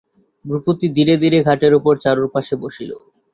ভূপতি ধীরে ধীরে খাটের উপর চারুর পাশে বসিল।